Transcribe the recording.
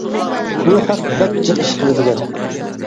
بۇ خەق بەك جىق ئىش قىلىدىكەن.